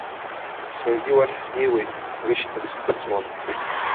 Саргьы уахь снеиуеит, рышьҭа схыҵуам.